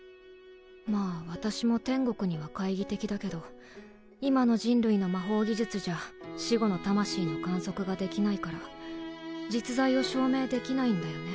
まぁ私も天国には懐疑的だけど今の人類の魔法技術じゃ死後の魂の観測ができないから実在を証明できないんだよね